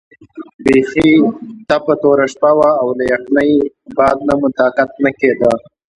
بیخي تپه توره شپه وه او له یخنۍ باد نه مو طاقت نه کېده.